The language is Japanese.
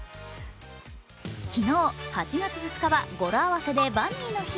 昨日、８月２日は語呂合わせでバニーの日。